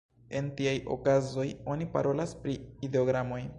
En tiaj okazoj oni parolas pri ideogramoj.